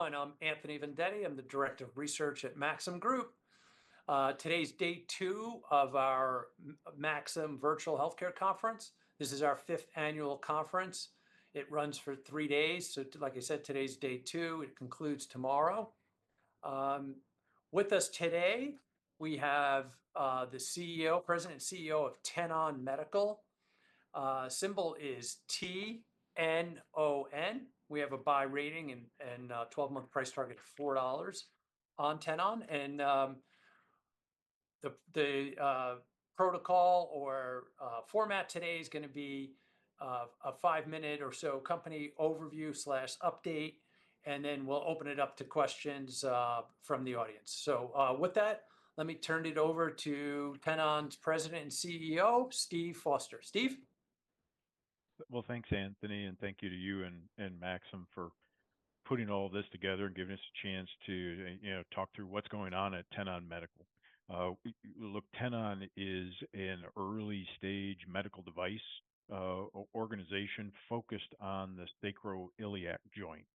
I'm Anthony Vendetti. I'm the Director of Research at Maxim Group. Today is day two of our Maxim Virtual Healthcare Conference. This is our fifth annual conference. It runs for three days, so like I said, today is day two. It concludes tomorrow. With us today, we have the CEO, President and CEO of Tenon Medical. Symbol is T-N-O-N. We have a buy rating and a twelve-month price target of $4 on Tenon. The protocol or format today is gonna be a five-minute or so company overview/update, and then we'll open it up to questions from the audience. With that, let me turn it over to Tenon's President and CEO, Steve Foster. Steve? Thanks, Anthony, and thank you to you and Maxim for putting all this together and giving us a chance to, you know, talk through what's going on at Tenon Medical. Look, Tenon is an early-stage medical device organization focused on the sacroiliac joint.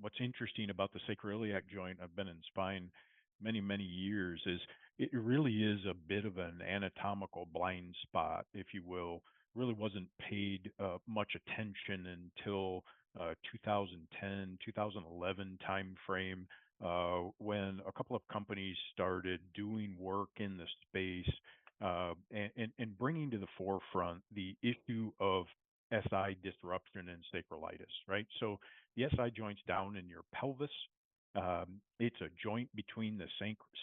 What's interesting about the sacroiliac joint, I've been in spine many, many years, is it really is a bit of an anatomical blind spot, if you will. Really wasn't paid much attention until 2010, 2011 timeframe, when a couple of companies started doing work in the space, and bringing to the forefront the issue of SI disruption and sacroiliitis, right? The SI joint's down in your pelvis. It's a joint between the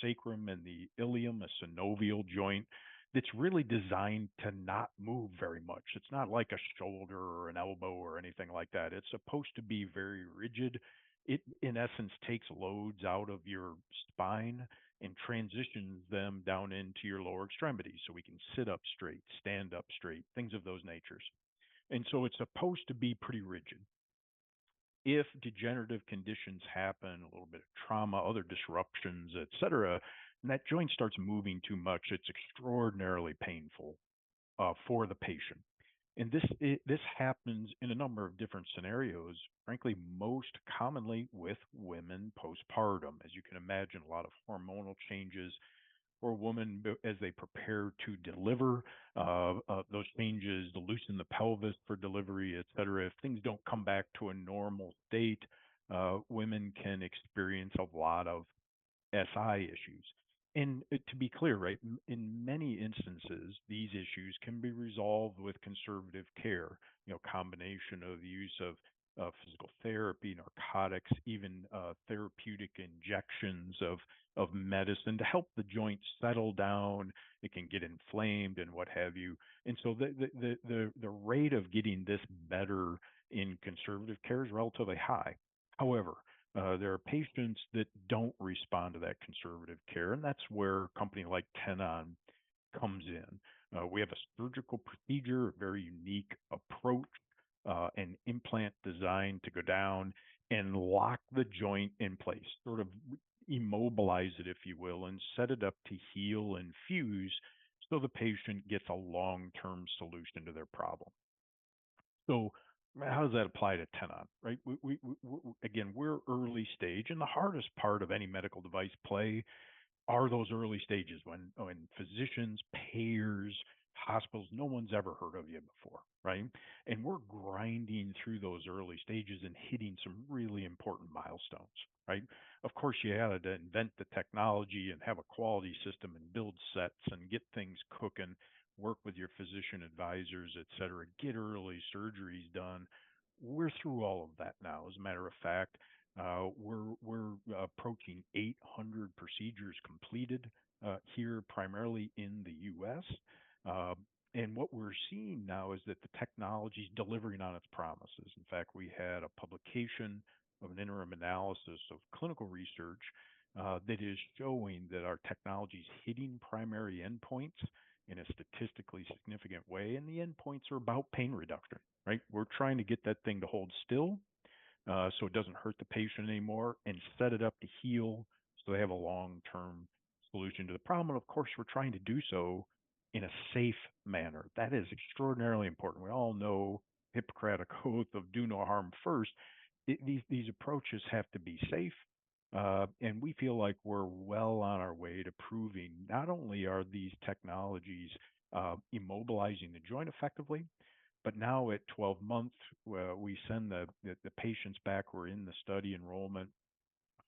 sacrum and the ilium, a synovial joint, that's really designed to not move very much. It's not like a shoulder or an elbow or anything like that. It's supposed to be very rigid. It, in essence, takes loads out of your spine and transitions them down into your lower extremities, so we can sit up straight, stand up straight, things of those natures. And so it's supposed to be pretty rigid. If degenerative conditions happen, a little bit of trauma, other disruptions, etc, and that joint starts moving too much, it's extraordinarily painful for the patient. And this happens in a number of different scenarios, frankly, most commonly with women postpartum. As you can imagine, a lot of hormonal changes for a woman as they prepare to deliver, those changes to loosen the pelvis for delivery, etc. If things don't come back to a normal state, women can experience a lot of SI issues. To be clear, right, in many instances, these issues can be resolved with conservative care. You know, combination of use of physical therapy, narcotics, even therapeutic injections of medicine to help the joint settle down. It can get inflamed and what have you. The rate of getting this better in conservative care is relatively high. However, there are patients that don't respond to that conservative care, and that's where a company like Tenon comes in. We have a surgical procedure, a very unique approach, an implant designed to go down and lock the joint in place, sort of immobilize it, if you will, and set it up to heal and fuse, so the patient gets a long-term solution to their problem. How does that apply to Tenon, right? Again, we're early stage, and the hardest part of any medical device play are those early stages when physicians, payers, hospitals, no one's ever heard of you before, right? And we're grinding through those early stages and hitting some really important milestones, right? Of course, you had to invent the technology and have a quality system and build sets and get things cooking, work with your physician advisors, etc, get early surgeries done. We're through all of that now. As a matter of fact, we're approaching 800 procedures completed here, primarily in the U.S., and what we're seeing now is that the technology's delivering on its promises. In fact, we had a publication of an interim analysis of clinical research, that is showing that our technology's hitting primary endpoints in a statistically significant way, and the endpoints are about pain reduction, right? We're trying to get that thing to hold still, so it doesn't hurt the patient anymore, and set it up to heal, so they have a long-term solution to the problem, and of course, we're trying to do so in a safe manner. That is extraordinarily important. We all know Hippocratic Oath of do no harm first. These approaches have to be safe, and we feel like we're well on our way to proving not only are these technologies immobilizing the joint effectively, but now at 12 months, we send the patients back who were in the study enrollment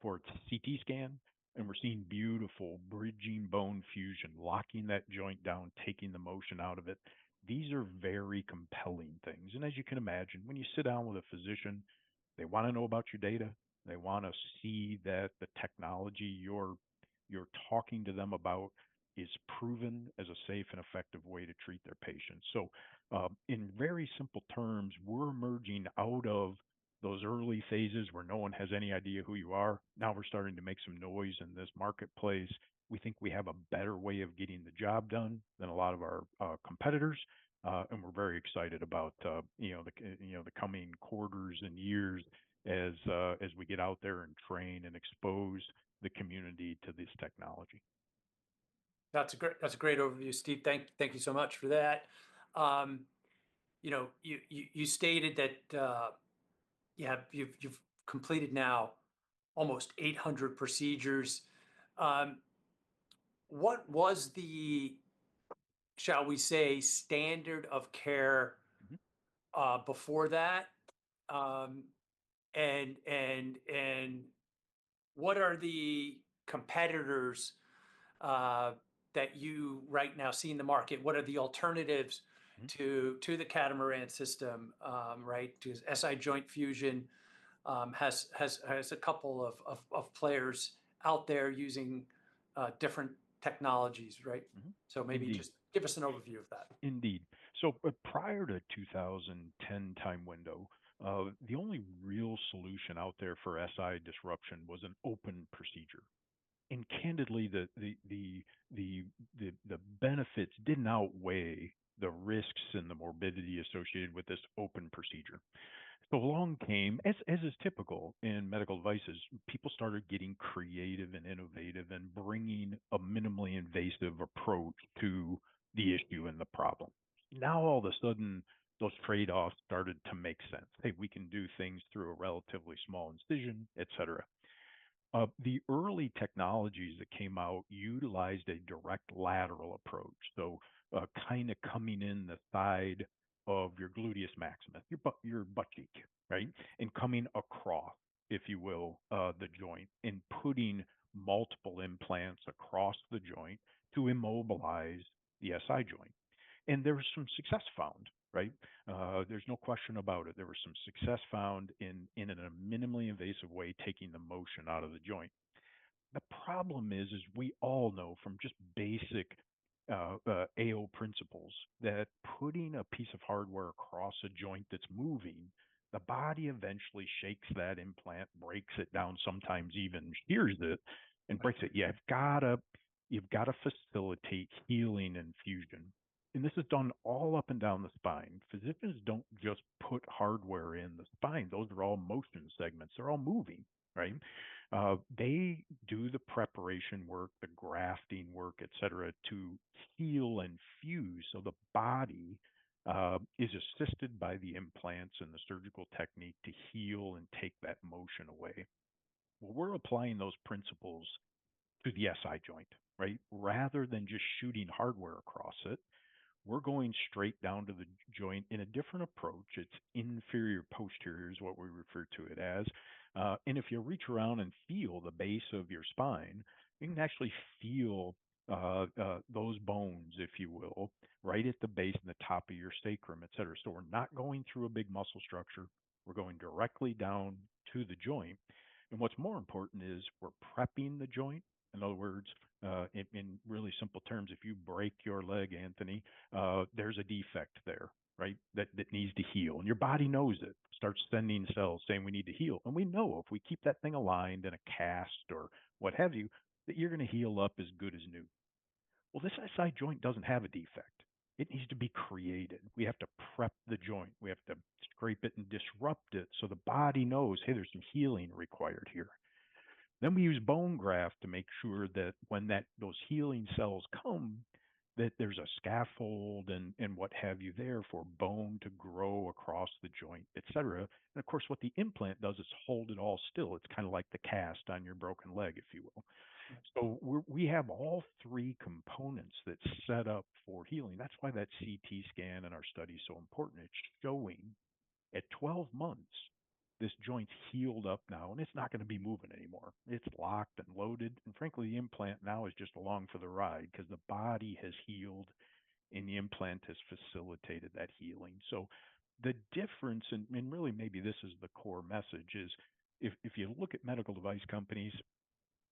for a CT scan, and we're seeing beautiful bridging bone fusion, locking that joint down, taking the motion out of it. These are very compelling things, and as you can imagine, when you sit down with a physician, they wanna know about your data. They wanna see that the technology you're talking to them about is proven as a safe and effective way to treat their patients, so in very simple terms, we're emerging out of those early phases where no one has any idea who you are. Now, we're starting to make some noise in this marketplace. We think we have a better way of getting the job done than a lot of our competitors, and we're very excited about, you know, the coming quarters and years as we get out there and train and expose the community to this technology. That's a great, that's a great overview, Steve. Thank, thank you so much for that. You know, you stated that you've completed now almost 800 procedures. What was the, shall we say, standard of care- before that? And what are the competitors that you right now see in the market? What are the alternatives to the Catamaran System, right? To SI Joint Fusion, has a couple of players out there using different technologies, right? Mm-hmm. Indeed. So maybe just give us an overview of that. Indeed. So, but prior to 2010 time window, the only real solution out there for SI disruption was an open procedure. And candidly, the benefits didn't outweigh the risks and the morbidity associated with this open procedure. So along came, as is typical in medical devices, people started getting creative and innovative and bringing a minimally invasive approach to the issue and the problem. Now, all of a sudden, those trade-offs started to make sense. "Hey, we can do things through a relatively small incision, etc." The early technologies that came out utilized a direct lateral approach, so, kinda coming in the side of your gluteus maximus, your butt cheek, right? And coming across, if you will, the joint, and putting multiple implants across the joint to immobilize the SI joint. There was some success found, right? There's no question about it. There was some success found in a minimally invasive way, taking the motion out of the joint. The problem is, as we all know from just basic AO principles, that putting a piece of hardware across a joint that's moving, the body eventually shakes that implant, breaks it down, sometimes even shears it and breaks it. You've gotta facilitate healing and fusion, and this is done all up and down the spine. Physicians don't just put hardware in the spine. Those are all motion segments. They're all moving, right? They do the preparation work, the grafting work, etc, to heal and fuse, so the body is assisted by the implants and the surgical technique to heal and take that motion away. We're applying those principles to the SI joint, right? Rather than just shooting hardware across it, we're going straight down to the joint in a different approach. It's Inferior-Posterior, is what we refer to it as, and if you reach around and feel the base of your spine, you can actually feel those bones, if you will, right at the base in the top of your sacrum, etc. We're not going through a big muscle structure. We're going directly down to the joint, and what's more important is we're prepping the joint. In other words, in really simple terms, if you break your leg, Anthony, there's a defect there, right? That needs to heal, and your body knows it. Starts sending cells, saying, "We need to heal." And we know if we keep that thing aligned in a cast or what have you, that you're gonna heal up as good as new. Well, this SI joint doesn't have a defect. It needs to be created. We have to prep the joint, we have to scrape it and disrupt it so the body knows, "Hey, there's some healing required here." Then, we use bone graft to make sure that when that, those healing cells come, that there's a scaffold and, and what have you there for bone to grow across the joint, etc. And of course, what the implant does is hold it all still. It's kinda like the cast on your broken leg, if you will. We have all three components that's set up for healing. That's why that CT scan in our study is so important. It's showing at 12 months, this joint's healed up now, and it's not gonna be moving anymore. It's locked and loaded, and frankly, the implant now is just along for the ride 'cause the body has healed, and the implant has facilitated that healing. The difference, and really maybe this is the core message, is if you look at medical device companies,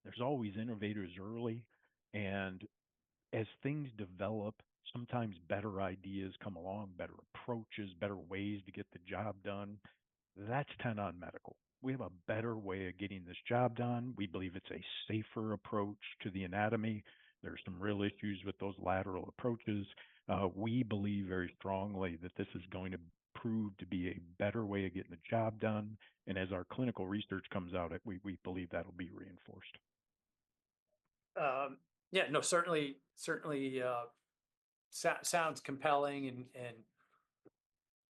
there's always innovators early, and as things develop, sometimes better ideas come along, better approaches, better ways to get the job done. That's Tenon Medical. We have a better way of getting this job done. We believe it's a safer approach to the anatomy. There are some real issues with those lateral approaches. We believe very strongly that this is going to prove to be a better way of getting the job done, and as our clinical research comes out, we believe that'll be reinforced. Yeah. No, certainly, certainly, sounds compelling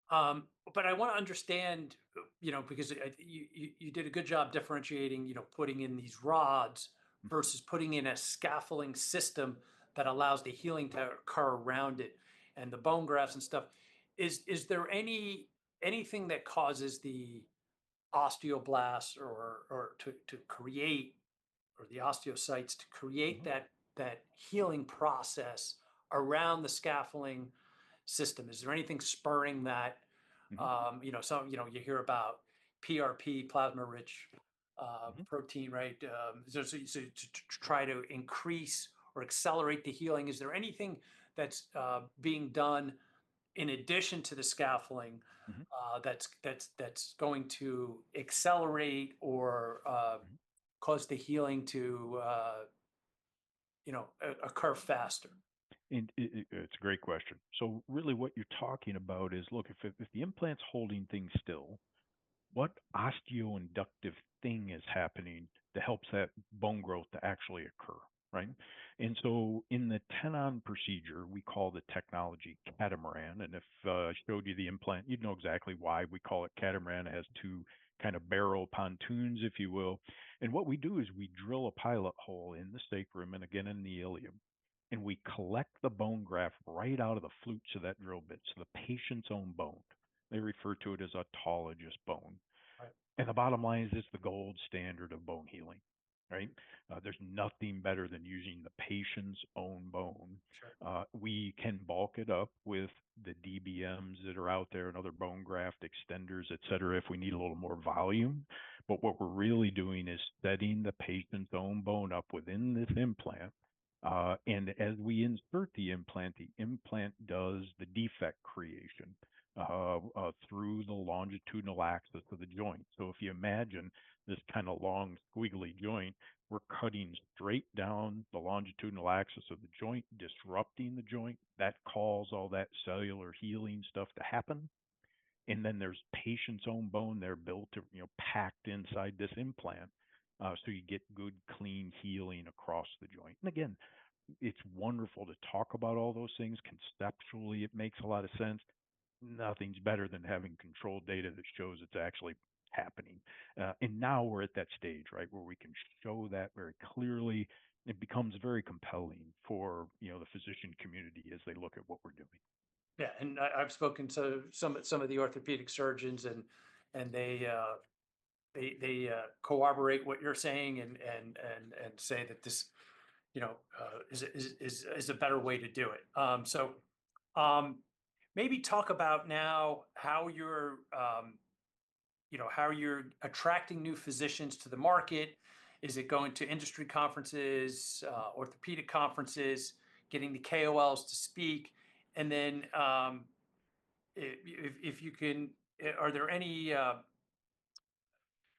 and, but I wanna understand, you know, because you did a good job differentiating, you know, putting in these rods versus putting in a scaffolding system that allows the healing to occur around it, and the bone grafts and stuff. Is there anything that causes the osteoblasts or to create or the osteocytes to create that, that healing process around the scaffolding system? Is there anything spurring that? You know, some, you know, you hear about PRP, plasma-rich protein, right? So to try to increase or accelerate the healing, is there anything that's being done in addition to the scaffolding- that's going to accelerate or cause the healing to, you know, occur faster? And it's a great question. So really, what you're talking about is, look, if the implant's holding things still, what osteoinductive thing is happening that helps that bone growth to actually occur, right? And so in the Tenon procedure, we call the technology Catamaran, and if I showed you the implant, you'd know exactly why we call it Catamaran. It has two kind of barrel pontoons, if you will. And what we do is we drill a pilot hole in the sacrum and again in the ilium, and we collect the bone graft right out of the flutes of that drill bit, so the patient's own bone. They refer to it as autologous bone. Right. The bottom line is, it's the gold standard of bone healing, right? There's nothing better than using the patient's own bone. Sure. We can bulk it up with the DBMs that are out there and other bone graft extenders, etc, if we need a little more volume. But what we're really doing is setting the patient's own bone up within this implant. And as we insert the implant, the implant does the defect creation through the longitudinal axis of the joint. So if you imagine this kind of long, squiggly joint, we're cutting straight down the longitudinal axis of the joint, disrupting the joint. That causes all that cellular healing stuff to happen. And then there's patient's own bone, they're built to, you know, packed inside this implant, so you get good, clean healing across the joint. And again, it's wonderful to talk about all those things. Conceptually, it makes a lot of sense. Nothing's better than having controlled data that shows it's actually happening. And now we're at that stage, right, where we can show that very clearly. It becomes very compelling for, you know, the physician community as they look at what we're doing. Yeah, and I've spoken to some of the orthopedic surgeons, and they say that this, you know, is a better way to do it. So, maybe talk about now how you're, you know, attracting new physicians to the market. Is it going to industry conferences, orthopedic conferences, getting the KOLs to speak? And then, if you can, are there any,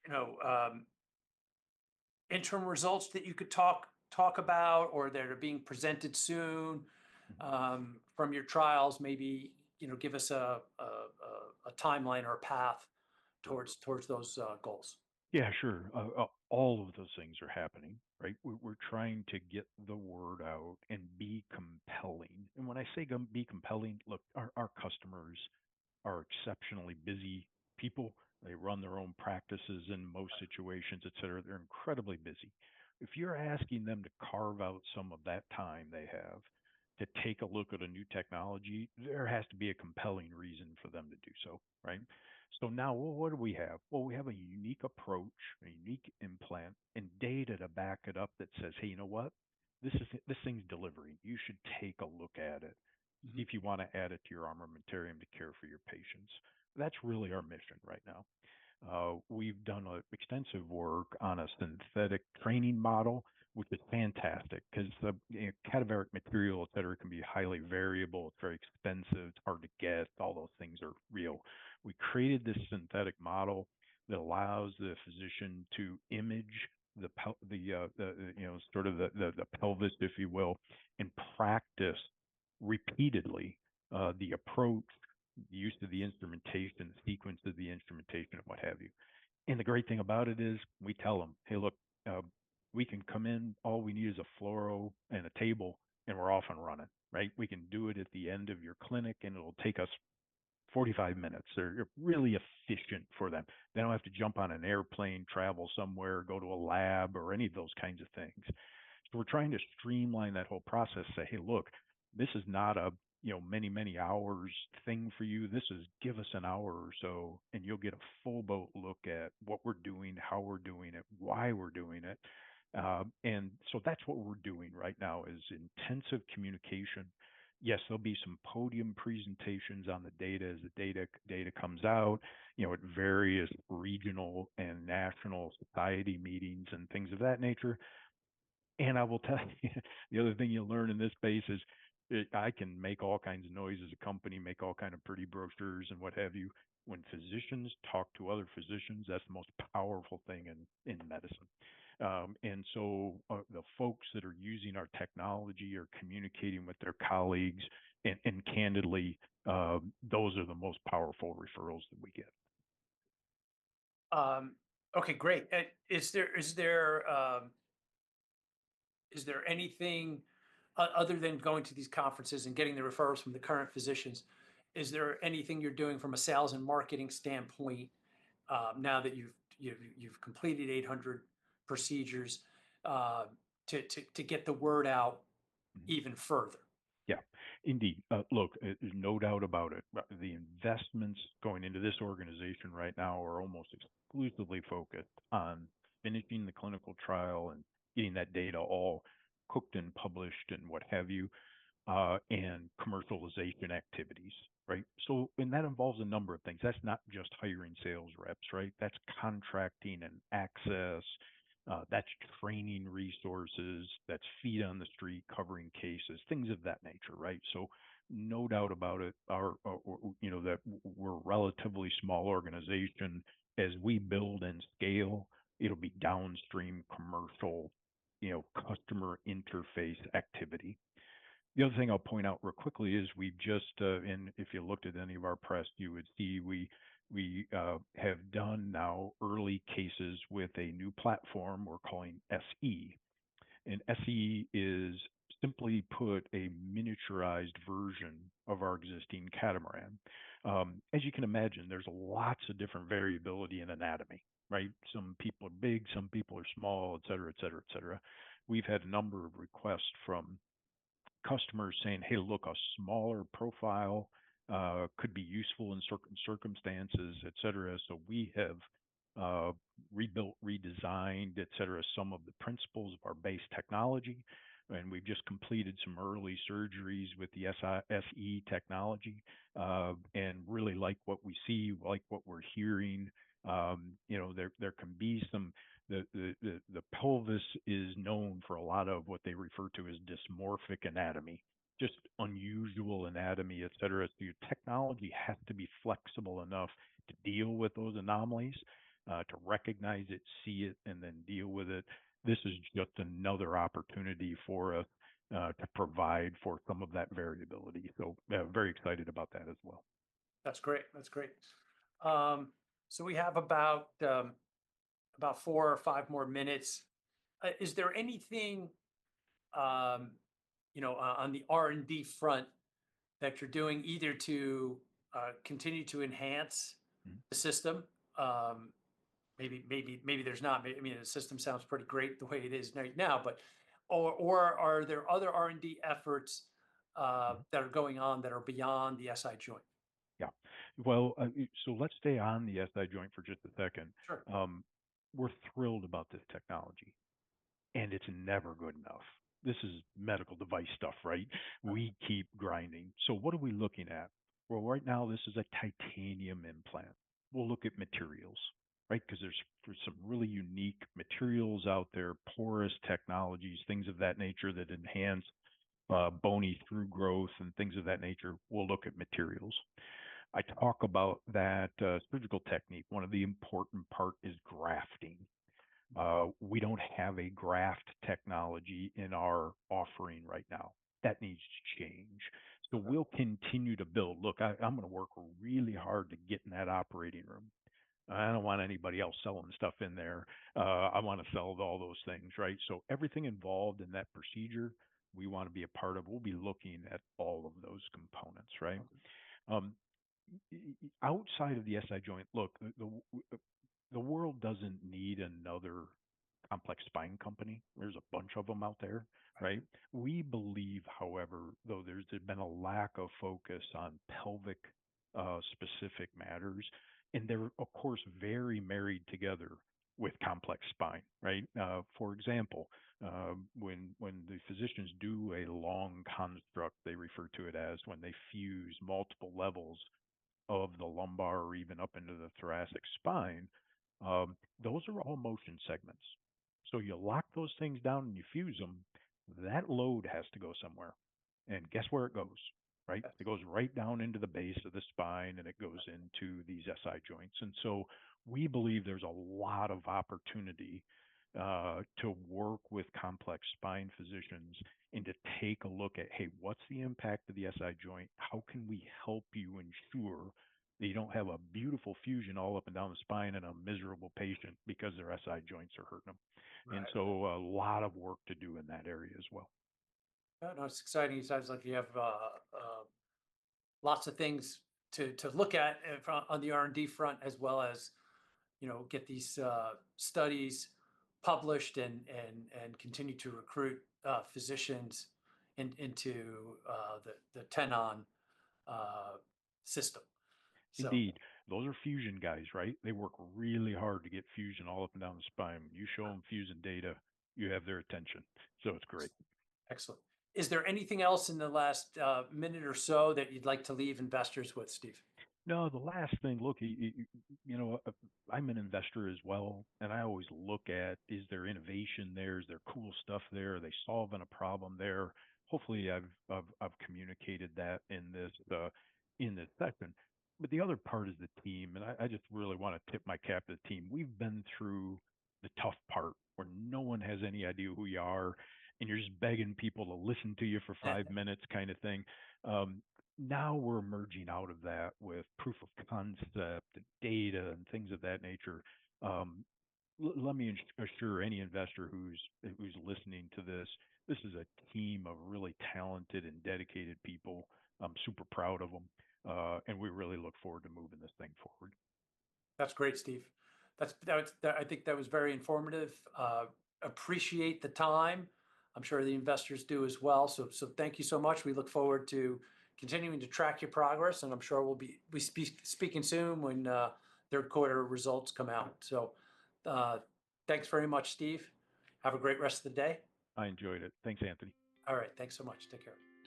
you know, interim results that you could talk about, or that are being presented soon, from your trials? Maybe, you know, give us a timeline or a path towards those goals. Yeah, sure. All of those things are happening, right? We're trying to get the word out and be compelling. And when I say be compelling, look, our customers are exceptionally busy people. They run their own practices in most situations. Right Etc. They're incredibly busy. If you're asking them to carve out some of that time they have, to take a look at a new technology, there has to be a compelling reason for them to do so, right? So now, what do we have? Well, we have a unique approach, a unique implant, and data to back it up that says, "Hey, you know what? This is, this thing's delivering. You should take a look at it. Mm-hmm If you wanna add it to your armamentarium to care for your patients." That's really our mission right now. We've done extensive work on a synthetic training model, which is fantastic because the, you know, cadaveric material, etc, can be highly variable. It's very expensive, it's hard to get, all those things are real. We created this synthetic model that allows the physician to image the, you know, sort of the pelvis, if you will, and practice repeatedly the approach, use of the instrumentation, sequence of the instrumentation, and what have you. And the great thing about it is, we tell 'em, "Hey, look, we can come in. All we need is a fluoro and a table, and we're off and running," right? We can do it at the end of your clinic, and it'll take us 45 minutes." They're really efficient for them. They don't have to jump on an airplane, travel somewhere, go to a lab, or any of those kinds of things. So we're trying to streamline that whole process and say, "Hey, look, this is not a, you know, many, many hours thing for you. This is, give us an hour or so, and you'll get a full boat look at what we're doing, how we're doing it, why we're doing it, and so that's what we're doing right now is intensive communication. Yes, there'll be some podium presentations on the data as the data comes out, you know, at various regional and national society meetings and things of that nature. I will tell you, the other thing you'll learn in this space is, I can make all kinds of noise as a company, make all kind of pretty brochures and what have you. When physicians talk to other physicians, that's the most powerful thing in medicine. And so, the folks that are using our technology are communicating with their colleagues, and candidly, those are the most powerful referrals that we get. Okay, great. And is there anything other than going to these conferences and getting the referrals from the current physicians, is there anything you're doing from a sales and marketing standpoint, now that you've completed 800 procedures, to get the word out even further? Yeah, indeed. Look, there's no doubt about it. The investments going into this organization right now are almost exclusively focused on finishing the clinical trial and getting that data all cooked and published and what have you, and commercialization activities, right? So, and that involves a number of things. That's not just hiring sales reps, right? That's contracting and access, that's training resources, that's feet on the street, covering cases, things of that nature, right? So no doubt about it, our, you know, that we're a relatively small organization. As we build and scale, it'll be downstream commercial, you know, customer interface activity. The other thing I'll point out real quickly is we just, and if you looked at any of our press, you would see, we have done now early cases with a new platform we're calling SE. SE is simply put, a miniaturized version of our existing Catamaran. As you can imagine, there's lots of different variability in anatomy, right? Some people are big, some people are small, etc. We've had a number of requests from customers saying, "Hey, look, a smaller profile could be useful in circumstances, etc." So we have rebuilt, redesigned, etc, some of the principles of our base technology, and we've just completed some early surgeries with the SI SE technology, and really like what we see, we like what we're hearing. You know, the pelvis is known for a lot of what they refer to as dysmorphic anatomy, just unusual anatomy, etc. So your technology has to be flexible enough to deal with those anomalies, to recognize it, see it, and then deal with it. This is just another opportunity for us, to provide for some of that variability. So, very excited about that as well. That's great, that's great. So we have about four or five more minutes. Is there anything, you know, on the R&D front that you're doing, either to continue to enhance the system? Maybe there's not. I mean, the system sounds pretty great the way it is right now, but, or are there other R&D efforts that are going on that are beyond the SI joint? Yeah. Well, so let's stay on the SI joint for just a second. Sure. We're thrilled about this technology, and it's never good enough. This is medical device stuff, right? Right. We keep grinding. So what are we looking at? Well, right now, this is a titanium implant. We'll look at materials, right? 'Cause there's some really unique materials out there, porous technologies, things of that nature, that enhance bony ingrowth and things of that nature. We'll look at materials. I talk about that, surgical technique, one of the important part is grafting. We don't have a graft technology in our offering right now. That needs to change. Right. So we'll continue to build. Look, I'm gonna work really hard to get in that operating room. I don't want anybody else selling stuff in there. I wanna sell all those things, right? So everything involved in that procedure, we wanna be a part of. We'll be looking at all of those components, right? Right. Outside of the SI joint, look, the world doesn't need another complex spine company. There's a bunch of them out there, right? Right. We believe, however, though, there's been a lack of focus on pelvic specific matters, and they're, of course, very married together with complex spine, right? For example, when the physicians do a long construct, they refer to it as when they fuse multiple levels of the lumbar or even up into the thoracic spine. Those are all motion segments. So you lock those things down and you fuse them, that load has to go somewhere, and guess where it goes, right? Yes. It goes right down into the base of the spine, and it goes into these SI joints. And so we believe there's a lot of opportunity to work with complex spine physicians, and to take a look at, "Hey, what's the impact of the SI joint? How can we help you ensure that you don't have a beautiful fusion all up and down the spine and a miserable patient because their SI joints are hurting them? Right. And so, a lot of work to do in that area as well. Oh, no, it's exciting. It sounds like you have lots of things to look at on the R&D front, as well as, you know, get these studies published and continue to recruit physicians into the Tenon System. So. Indeed. Those are fusion guys, right? They work really hard to get fusion all up and down the spine. You show them fusion data, you have their attention, so it's great. Excellent. Is there anything else in the last minute or so that you'd like to leave investors with, Steve? No, the last thing, look, you know, I'm an investor as well, and I always look at, is there innovation there? Is there cool stuff there? Are they solving a problem there? Hopefully, I've communicated that in this session. But the other part is the team, and I just really wanna tip my cap to the team. We've been through the tough part, where no one has any idea who you are, and you're just begging people to listen to you for five minutes kind of thing. Now, we're emerging out of that with proof of concept, the data, and things of that nature. Let me assure any investor who's listening to this, this is a team of really talented and dedicated people. I'm super proud of them, and we really look forward to moving this thing forward. That's great, Steve. I think that was very informative. Appreciate the time. I'm sure the investors do as well. So thank you so much. We look forward to continuing to track your progress, and I'm sure we'll be speaking soon when the quarter results come out. So, thanks very much, Steve. Have a great rest of the day. I enjoyed it. Thanks, Anthony. All right. Thanks so much. Take care.